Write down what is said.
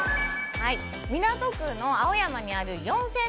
港区の青山にある４０００